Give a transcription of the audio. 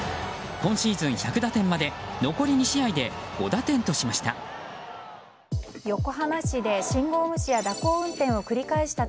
今シーズン１００打点まで残り２試合で５打点としました。